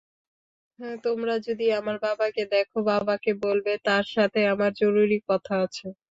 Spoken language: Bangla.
তোমরা যদি আমার বাবাকে দেখো, বাবাকে বলবে তাঁর সাথে আমার জরুরি কথা আছে।